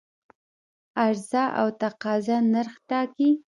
عرضه او تقاضا نرخ ټاکي.